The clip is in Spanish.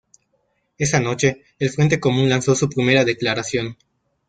Esa noche, el Frente Común lanzó su primera declaración.